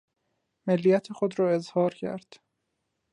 ملیت خود را اظهار کرد.